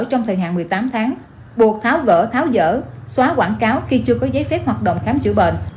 trong thời hạn một mươi tám tháng buộc tháo gỡ tháo dỡ xóa quảng cáo khi chưa có giấy phép hoạt động khám chữa bệnh